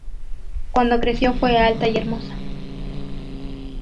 Cuando creció fue alta y hermosa.